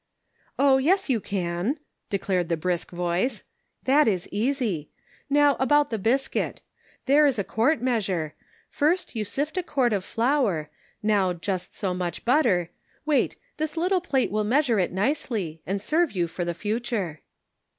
" Oh, yes, you can," declared the brisk voice ;" that is easy. Now about the biscuit. There is a quart measure, first you sift a quart of flour, now just so much butter — wait, this little plate will measure it nicely, arid serve you for the future."